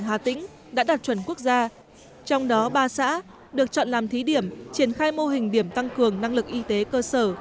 hà tĩnh đã đạt chuẩn quốc gia trong đó ba xã được chọn làm thí điểm triển khai mô hình điểm tăng cường năng lực y tế cơ sở